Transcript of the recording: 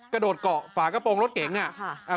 กระโดดเกาะฝากระโปรงรถเก๋งอ่ะ